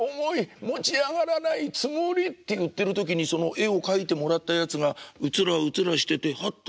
持ち上がらないつもり」って言ってる時にその絵を描いてもらったやつがうつらうつらしててハッと。